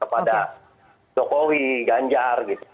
kepada dokowi ganjar